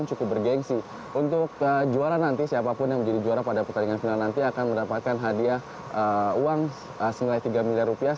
cukup bergensi untuk juara nanti siapapun yang menjadi juara pada pertandingan final nanti akan mendapatkan hadiah uang senilai tiga miliar rupiah